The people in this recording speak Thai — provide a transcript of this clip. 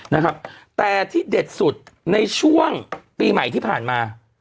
นะครับแต่ที่เด็ดสุดในช่วงปีใหม่ที่ผ่านมา